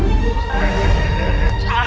oh iya kanjang ratu